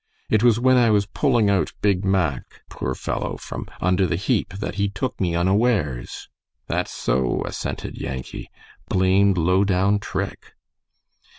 It was when I was pulling out Big Mack, poor fellow, from under the heap, that he took me unawares." "That's so," assented Yankee. "Blamed lowdown trick."